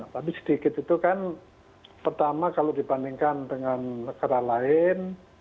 tapi sedikit itu kan pertama kalau dibandingkan dengan negara lain